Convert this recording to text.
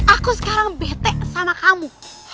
aku sekarang betek sama kamu